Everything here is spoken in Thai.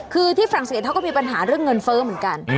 คือที่ฝรั่งเศสเขาก็มีปัญหาเรื่องเงินเฟ้อเหมือนกัน